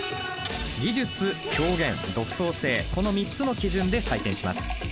技術表現独創性この３つの基準で採点します。